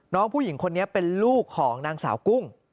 น้องผู้หญิงคนนี้เป็นลูกของนางสาวกุ้ง